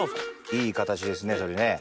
いい形ですねそれね。